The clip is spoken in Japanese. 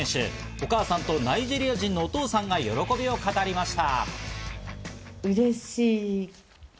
お母さんとナイジェリア人のお父さんが喜びを語りました。